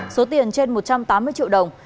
số tiền trên một trăm tám mươi triệu đồng